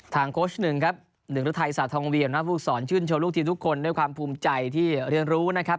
ทางโค้ชหนึ่งครับหนึ่งรุ่นไทยสาธารณีวิทยาลัยภูมิสรรค์ชื่นโชว์ลูกทีมทุกคนด้วยความภูมิใจที่เรียนรู้นะครับ